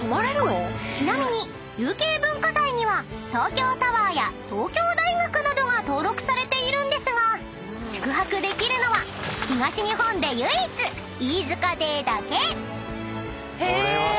［ちなみに有形文化財には東京タワーや東京大学などが登録されているんですが宿泊できるのは東日本で唯一飯塚邸だけ］